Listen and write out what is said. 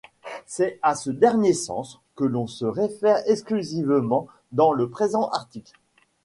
C'est à ce dernier sens que l'on se réfère exclusivement dans le présent article.